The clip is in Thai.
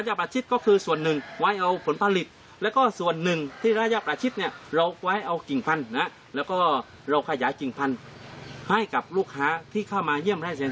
ระยะประชิตก็คือส่วนหนึ่งไว้เอาผลผลิตและก็ส่วนหนึ่งที่ระยะประชิตเนี่ย